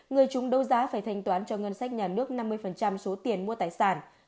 người chúng đấu giá phải thanh toán cho ngân sách nhà nước năm mươi số tiền mua tài sản